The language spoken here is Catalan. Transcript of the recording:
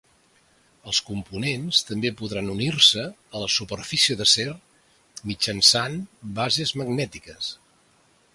Els components també podran unir-se a la superfície d'acer mitjançant bases magnètiques.